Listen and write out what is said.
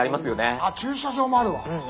あっ駐車場もあるわ。